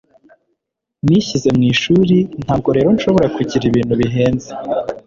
Nishyize mu ishuri, ntabwo rero nshobora kugira ibintu bihenze.